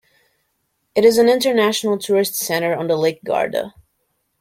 It is an international tourist center on the Lake Garda.